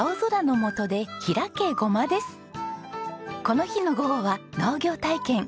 この日の午後は農業体験。